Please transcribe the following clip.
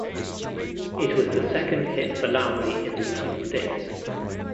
It was the second hit for Lowry in the United States.